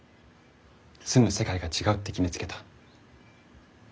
住む世界が違うって決めつけた。